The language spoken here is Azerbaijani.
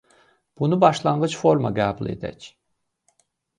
Bunu başlanğıc forma qəbul edək.